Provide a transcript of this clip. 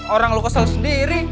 orang lo kesel sendiri